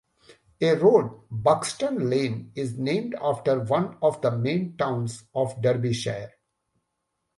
A road, Buxton Lane, is named after one of the main towns of Derbyshire.